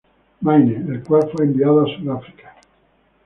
Maine", el cual fue enviado a Suráfrica.